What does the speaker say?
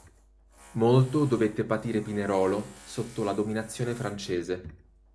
Molto dovette patire Pinerolo sotto la dominazione francese.